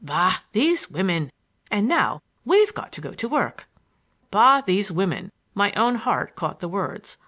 Bah, these women! And now we've got to go to work." Bah, these women! My own heart caught the words.